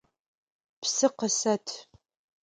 Псы къысэт!